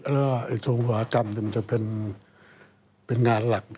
แล้วทรงอุตสาหกรรมมันจะเป็นงานหลัก